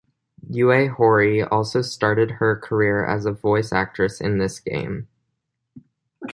Yui Horie also started her career as a voice actress in this game.